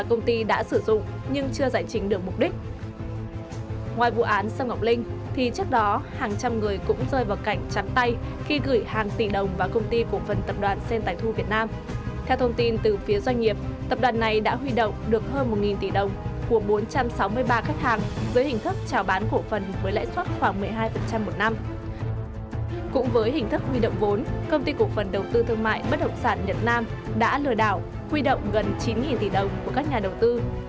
cũng với hình thức huy động vốn công ty cổ phần đầu tư thương mại bất động sản nhật nam đã lừa đảo huy động gần chín tỷ đồng của các nhà đầu tư